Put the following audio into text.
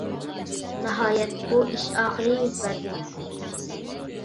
ناھايەت، بۇ ئىش ئاخىرى يۈز بەردى.